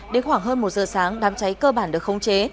đến khoảng hơn một giờ sáng đám cháy cơ bản được khống chế